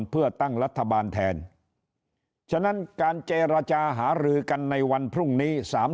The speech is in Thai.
เพื่อตั้งรัฐบาลแทนฉะนั้นการเจรจาหารือกันในวันพรุ่งนี้